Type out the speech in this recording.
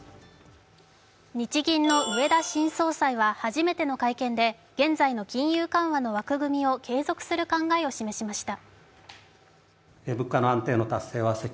日銀の植田新総裁は初めての会見で現在の金融緩和の枠組みを継続する考えを示しました。